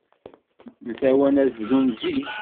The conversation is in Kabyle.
Mtawant ad bdun zik.